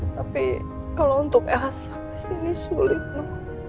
tapi kalau untuk elsa sampai sini sulit no